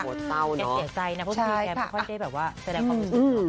แก่ใจนะพวกนี้แกค่อยได้แบบว่าแสดงความรู้สึก